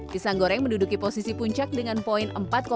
pisang goreng menduduki posisi puncak dengan poin empat lima